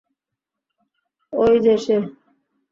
অই যে সে!